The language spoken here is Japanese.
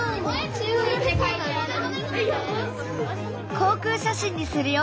航空写真にするよ！